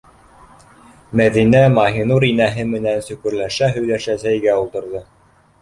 Мәҙинә Маһинур инәһе менән сөкөрләшә- һөйләшә сәйгә ултырҙы.